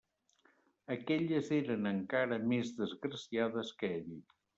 Aquelles eren encara més desgraciades que ell.